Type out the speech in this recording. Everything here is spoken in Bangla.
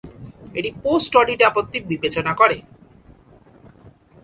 এটি পোস্ট অডিট আপত্তি বিবেচনা করে।